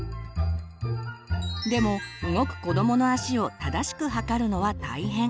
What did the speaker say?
でも動く子どもの足を正しく測るのは大変。